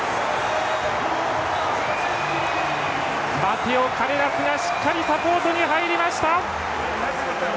マテオ・カレラスがしっかりサポートに入りました。